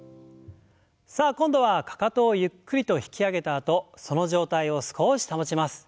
さあ今度はかかとをゆっくりと引き上げたあとその状態を少し保ちます。